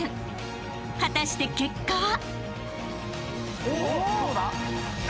［果たして結果は］